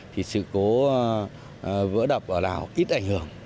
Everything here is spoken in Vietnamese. thì sự cố vỡ đập ở lào ít ảnh hưởng